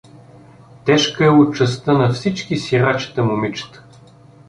Тежка е участта на всички сирачета момичета.